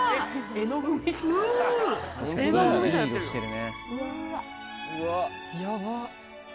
絵の具みたいになってる。